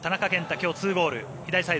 今日、２ゴール。